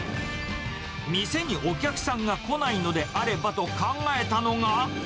店にお客さんが来ないのであればと考えたのが。